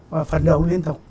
và phấn đấu liên tục